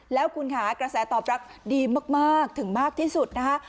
แล้วคุณคะกระแสตอบลักษณ์ดีมากมากถึงมากที่สุดน่ะ